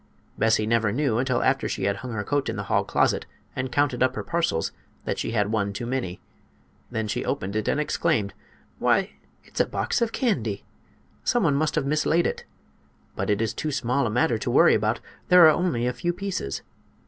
Bessie never knew, until after she had hung her coat in the hall closet and counted up her parcels, that she had one too many. Then she opened it and exclaimed: "Why, it's a box of candy! Someone must have mislaid it. But it is too small a matter to worry about; there are only a few pieces."